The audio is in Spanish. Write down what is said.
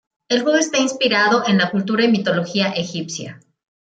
El juego está inspirado en la cultura y mitología egipcia.